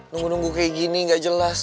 nunggu nunggu kayak gini gak jelas